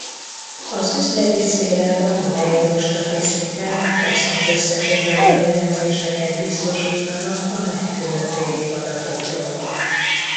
Az üzleti szférában a leíró statisztikák hasznos összefoglaló jellemzéseket biztosítanak a legkülönfélébb adatokról.